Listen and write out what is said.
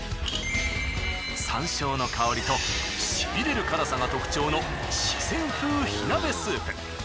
山椒の香りとシビれる辛さが特徴の四川風火鍋スープ。